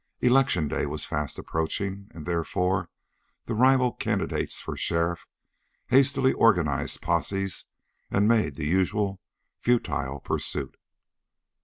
Election day was fast approaching and therefore the rival candidates for sheriff hastily organized posses and made the usual futile pursuit.